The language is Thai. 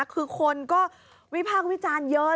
คือคนก็วิพากษ์วิจารณ์เยอะ